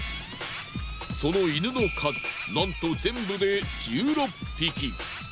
その犬の数なんと全部で１６匹。